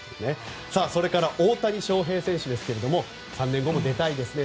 それから、大谷翔平選手ですが３年後も出たいですね。